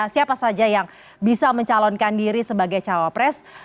siapa saja yang bisa mencalonkan diri sebagai cawa pres